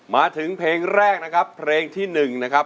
มาถึงเพลงแรกนะครับเพลงที่๑นะครับ